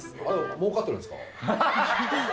もうかってるんですか？